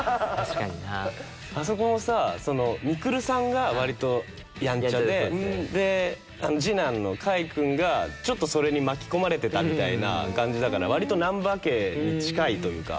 あそこもさ未来さんがわりとやんちゃで次男の海君がちょっとそれに巻き込まれてたみたいな感じだからわりと難破家に近いというか。